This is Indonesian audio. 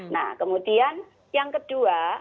nah kemudian yang kedua